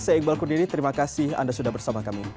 saya iqbal kuniri terima kasih anda sudah bersama kami